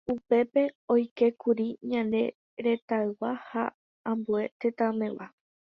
Upépe oikékuri ñane retãygua ha ambue tetãmegua.